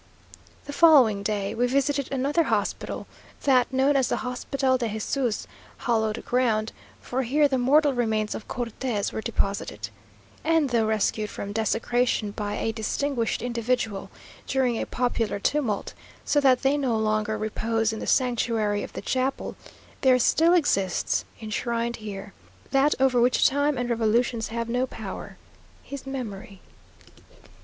The following day we visited another hospital; that known as the Hospital de Jesús hallowed ground; for here the mortal remains of Cortes were deposited. And, though rescued from desecration by a distinguished individual, during a popular tumult, so that they no longer repose in the sanctuary of the chapel, there still exists, enshrined here, that over which time and revolutions have no power his memory.